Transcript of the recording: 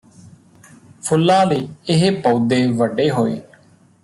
ਫੁੱਲਾਂ ਦੇ ਇਹ ਪੌਦੇ ਵੱਡੇ ਹੋਏ